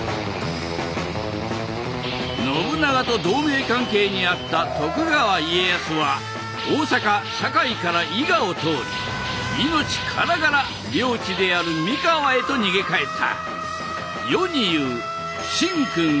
信長と同盟関係にあった徳川家康は大阪・堺から伊賀を通り命からがら領地である三河へと逃げ帰った。